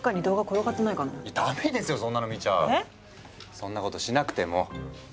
そんなことしなくてもほら。